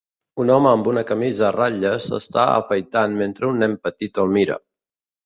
Un home amb una camisa a ratlles s'està afaitant mentre un nen petit el mira.